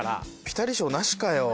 ピタリ賞なしかよ。